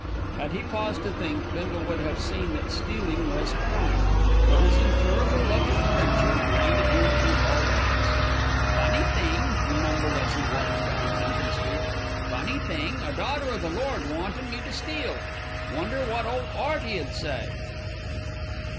Had he paused to think, Bindle would have seen that stealing was crime; but his incurable love of adventure blinded him to all else. "Funny thing," he mumbled as he walked down Fenton Street. "Funny thing, a daughter o' the Lord wantin' me to steal. Wonder wot ole 'Earty 'ud say."